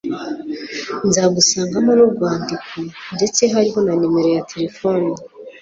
nza gusangamo nurwandiko ndetse hariho na numero ya telephone